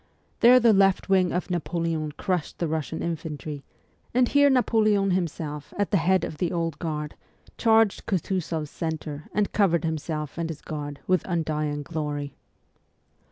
There the left wing of Napoleon crushed the Russian infantry, and here Napoleon himself, at the head of the Old Guard, charged Kutuzoff s centre, and covered himself and his Guard with undying glory.